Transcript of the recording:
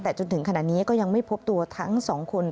แต่จนถึงขณะนี้ก็ยังไม่พบตัวทั้งสองคน